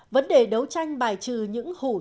vấn đề đấu tranh bài trừ những hủ tôn